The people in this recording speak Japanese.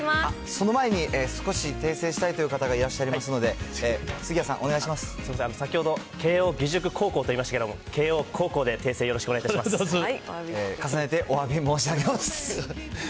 その前に、少し訂正したいという方がいらっしゃいますので、杉谷さん、お願すみません、先ほど慶応義塾高校と言いましたけれども、慶応高校で訂正よろし重ねておわび申し上げます。